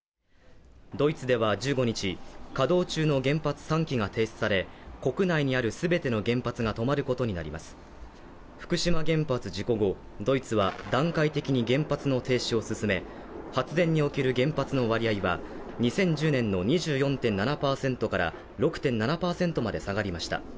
ドイツでは１５日稼働中の原発３基が停止され、国内にある全ての原発が止まることになります福島原発事故後、ドイツは段階的に原発の停止を進め、発電における原発の割合は２０１０年の２４．７％から６．７％まで下がりました。